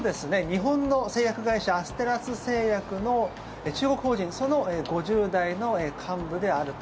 日本の製薬会社アステラス製薬の中国法人その５０代の幹部であると。